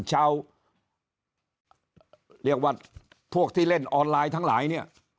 เรียกว่าพวกที่เล่นออนไลน์ทั้งหลายเนี่ย